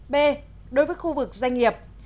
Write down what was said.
b đối với khu vực doanh nghiệp